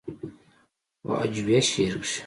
پۀ هجويه شعر کښې